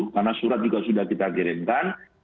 karena surat juga sudah kita kirimkan